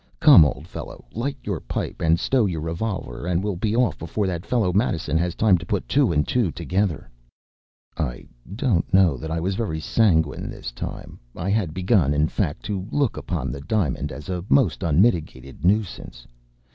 Come, old fellow, light your pipe and stow your revolver, and we’ll be off before that fellow Madison has time to put two and two together.” I don’t know that I was very sanguine this time. I had begun, in fact, to look upon the diamond as a most unmitigated nuisance.